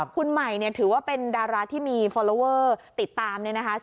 คุณใหม่ถือว่าเป็นดาราที่มีฟอลลอเวอร์ติดตาม